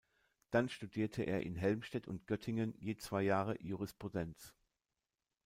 Dann studierte er in Helmstedt und Göttingen je zwei Jahre Jurisprudenz.